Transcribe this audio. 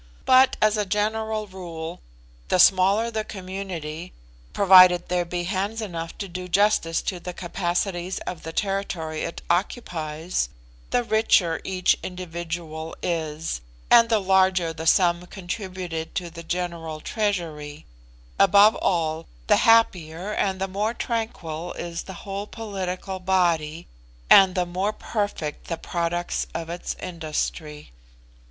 But, as a general rule, the smaller the community, provided there be hands enough to do justice to the capacities of the territory it occupies, the richer each individual is, and the larger the sum contributed to the general treasury, above all, the happier and the more tranquil is the whole political body, and the more perfect the products of its industry.